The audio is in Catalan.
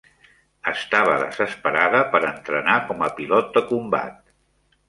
Estava desesperada per entrenar com a pilot de combat.